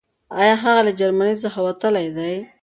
آيا هغه له جرمني څخه وتلی دی؟